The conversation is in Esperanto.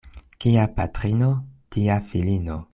Kia patrino, tia filino.